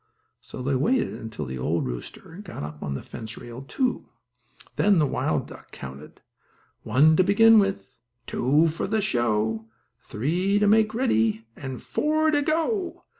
So they waited until the old rooster got up on the fence rail, too. Then the wild duck counted: "One to begin with, two for a show, three to make ready and four to go!"